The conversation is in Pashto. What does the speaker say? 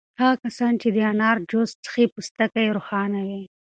هغه کسان چې د انار جوس څښي پوستکی یې روښانه وي.